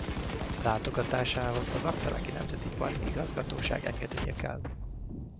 Látogatásához az Aggteleki Nemzeti Park Igazgatóság engedélye kell.